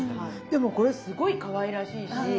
でもこれすごいかわいらしいし。